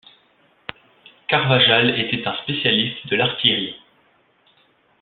Carvajal était un spécialiste de l'artillerie.